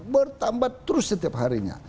bertambah terus setiap hari